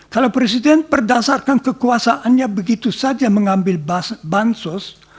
kalau presiden berdasarkan kekuasaannya begitu saja mengambil bansos